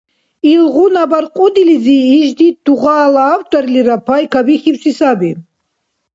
Илгъуна баркьудилизи ишди тугъала авторлира пай кабихьибси саби.